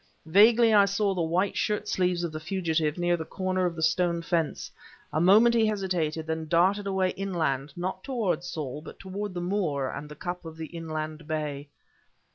Vaguely I saw the white shirt sleeves of the fugitive near the corner of the stone fence. A moment he hesitated, then darted away inland, not toward Saul, but toward the moor and the cup of the inland bay.